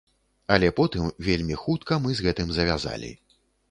Але потым, вельмі хутка, мы з гэтым завязалі.